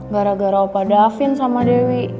gara gara opa davin sama dewi